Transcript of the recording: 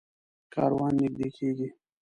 کاروان نږدې کېږي.